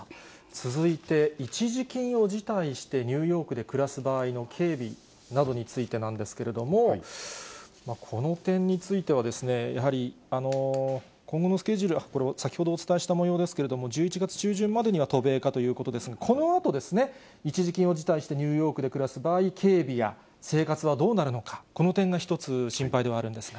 続いて、一時金を辞退してニューヨークで暮らす場合の警備などについてなんですけれども、この点については、やはり今後のスケジュール、これ、先ほどお伝えしたもようですけれども、１１月中旬までには渡米かということですが、このあとですね、一時金の辞退してニューヨークに渡る場合、警備や生活はどうなるのか、この点が一つ、心配ではあるんですが。